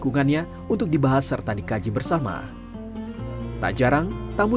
yang pertama ini adalah aktivitas kunci imbahan teman teman